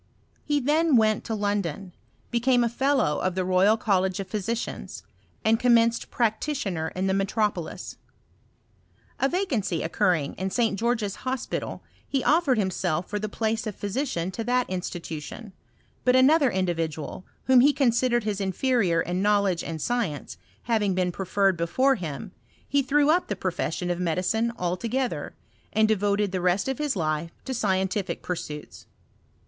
He thai went to London, became a fellow of the Royal College of Physicians, and com menced practitioner in the metropolis. A vacancy occurring in St. George's Hospital, he offered him self for the place of physician to that institution ; Imt another individual, whom he considered his in£erior in knowledge and science, having been preferred before him, he threw up the profession of medicine altogether, and devoted the rest of his life to scientific pursuits.